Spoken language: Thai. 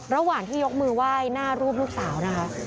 ระหว่างที่ยกมือไหว้หน้ารูปลูกสาวนะคะ